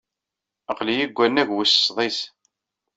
Aql-iyi deg wannag wis sḍis.